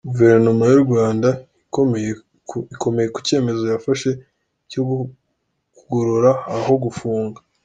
Guverinoma y’ u Rwanda ikomeye ku cyemezo yafashe cyo kugorora aho gufunga.